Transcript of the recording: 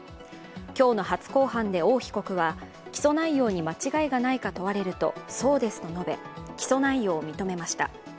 今日の初公判で王被告は起訴内容に間違いがないか問われると、そうですと述べ、起訴内容を認めました。